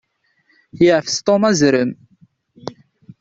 Yeɛfes Tom azrem.